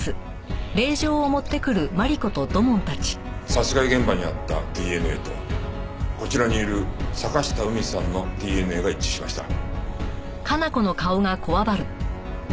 殺害現場にあったＤＮＡとこちらにいる坂下海さんのＤＮＡが一致しました。